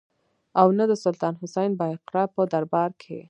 او نه د سلطان حسین بایقرا په دربار کې.